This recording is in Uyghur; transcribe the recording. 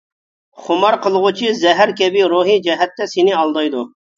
خۇمار قىلغۇچى زەھەر كەبى روھىي جەھەتتە سىنى ئالدايدۇ.